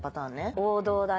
王道だね。